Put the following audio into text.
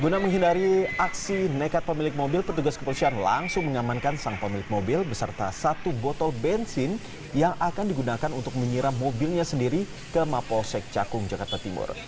guna menghindari aksi nekat pemilik mobil petugas kepolisian langsung mengamankan sang pemilik mobil beserta satu botol bensin yang akan digunakan untuk menyiram mobilnya sendiri ke mapolsek cakung jakarta timur